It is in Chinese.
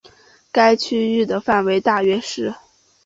该区域的范围大约是。